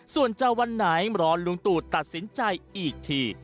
ส่วนจะวันไหนรอลุงตู่ตัดสินใจอีกที